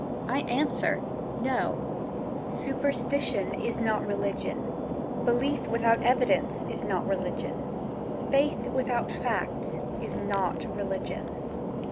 I answer, No superstition is not religion. Belief without evidence is not religion. Faith without facts is not religion.